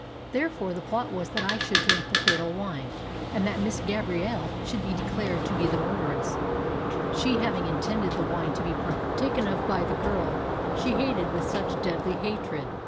Therefore, the plot was that I should drink the fatal wine, and that Miss Gabrielle should be declared to be the murderess, she having intended the wine to be partaken of by the girl she hated with such deadly hatred.